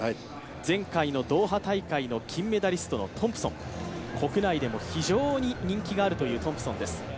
前回のドーハ大会の金メダリストのトンプソン、国内でも非常に人気があるというトンプソンです。